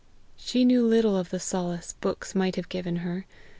She knew little of the solace books might have given her.